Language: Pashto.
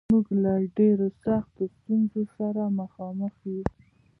موږ له ډېرو سختو ستونزو سره مخامخ یو